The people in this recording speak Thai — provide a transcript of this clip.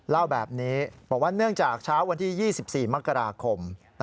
เล่าแบบนี้บอกว่าเนื่องจากเช้าวันที่๒๔มกราคม